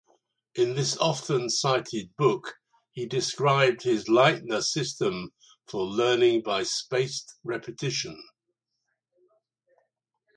In this often-cited book he described his Leitner System for learning by spaced repetition.